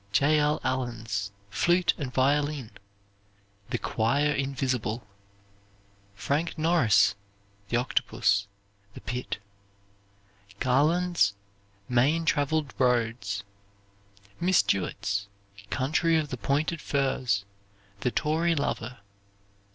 J. L. Allen's "Flute and Violin," "The Choir Invisible." Frank Norris' "The Octopus," "The Pit" Garland's "Main Traveled Roads." Miss Jewett's "Country of the Pointed Firs," "The Tory Lover."